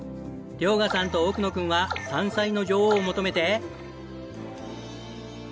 遼河さんと奥野君は山菜の女王を求めて。